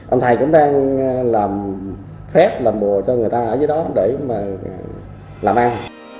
ông thầy cũng đang làm phép làm bồ cho người ta ở dưới đó để mà làm ăn